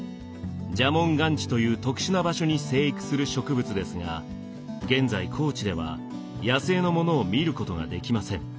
蛇紋岩地という特殊な場所に生育する植物ですが現在高知では野生のものを見ることができません。